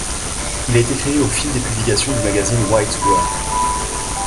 Il a été créé au fil des publications du magazine White Dwarf.